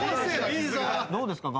どうですか？